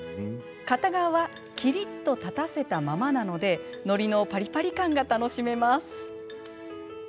片側はきりっと立たせたままなのでのりのパリパリ感が楽しめます。